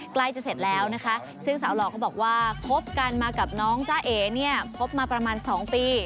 ใกล้จะเสร็จแล้วนะคะซึ่งสาวหล่อเขาบอกว่าคบกันมากับน้องจ้าเอ๋เนี่ยคบมาประมาณ๒ปี